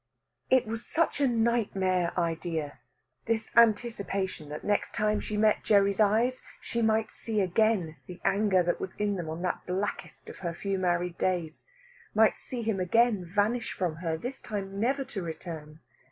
It was such a nightmare idea, this anticipation that next time she met Gerry's eyes she might see again the anger that was in them on that blackest of her few married days, might see him again vanish from her, this time never to return.